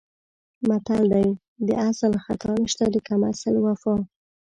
متل دی: د اصل خطا نشته د کم اصل وفا.